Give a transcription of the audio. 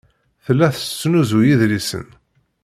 Tella tesnuzuy idlisen.